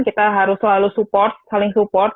kita harus selalu support saling support